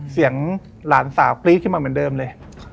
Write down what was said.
หลานสาวกรี๊ดขึ้นมาเหมือนเดิมเลย